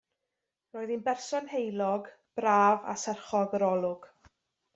Roedd hi'n berson heulog, braf a serchog yr olwg.